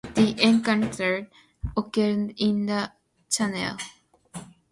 The encounter occurred in the Channel.